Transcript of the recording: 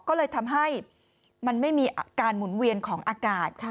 ก็เลยทำให้มันไม่มีการหมุนเวียนของอากาศ